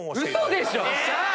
嘘でしょ